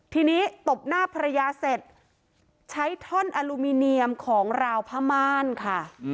ทีนี้ตบหน้าภรรยาเสร็จใช้ท่อนอลูมิเนียมของราวผ้าม่านค่ะ